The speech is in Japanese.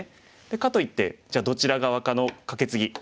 かといってじゃあどちら側かのカケツギ。